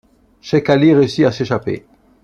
Sheik Ali réussit à s'échapper.